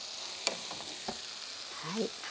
はい。